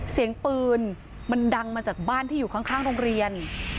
เสียงปืนมันดังมาจากบ้านที่อยู่ข้างโรงเรียน